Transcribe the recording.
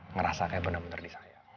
ngerasa kayak benar benar disayang